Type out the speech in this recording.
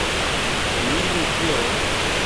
دھی نے کہیو